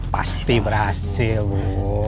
pasti berhasil bu